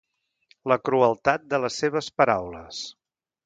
La crueltat de les seves paraules.